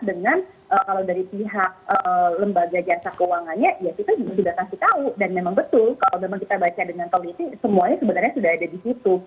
dengan kalau dari pihak lembaga jasa keuangannya ya kita sudah kasih tahu dan memang betul kalau memang kita baca dengan teliti semuanya sebenarnya sudah ada di situ